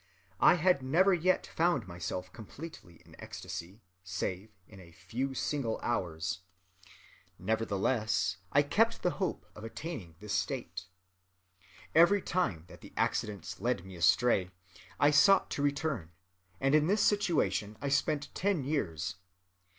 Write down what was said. I had never yet found myself completely in ecstasy, save in a few single hours; nevertheless, I kept the hope of attaining this state. Every time that the accidents led me astray, I sought to return; and in this situation I spent ten years.